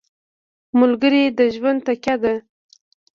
ملګری د ژوند تکیه ده.